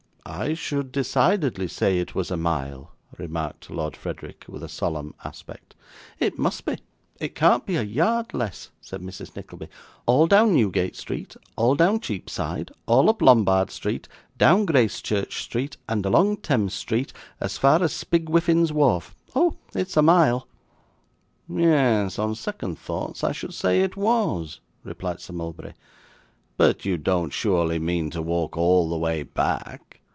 'I should decidedly say it was a mile,' remarked Lord Frederick, with a solemn aspect. 'It must be; it can't be a yard less,' said Mrs. Nickleby. 'All down Newgate Street, all down Cheapside, all up Lombard Street, down Gracechurch Street, and along Thames Street, as far as Spigwiffin's Wharf. Oh! It's a mile.' 'Yes, on second thoughts I should say it was,' replied Sir Mulberry. 'But you don't surely mean to walk all the way back?